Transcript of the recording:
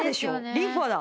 リファだ。